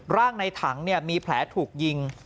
ในถังมีแผลถูกยิง